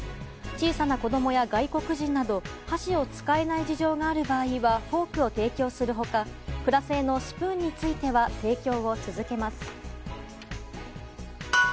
小さな子供や外国人など箸を使えない事情がある場合はフォークを提供する他プラ製のスプーンについては提供を続けます。